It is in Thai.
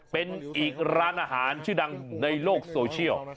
เป็นอีกร้านอาหารชื่อดังในโลกโซเชียล